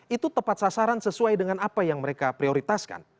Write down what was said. itu tepat sasaran sesuai dengan apa yang mereka prioritaskan